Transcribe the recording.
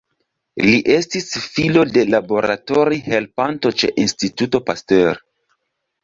Li estis filo de laboratori-helpanto ĉe Instituto Pasteur.